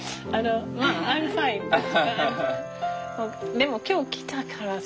でも今日来たからさ。